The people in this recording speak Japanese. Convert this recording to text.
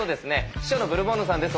秘書のブルボンヌさんです。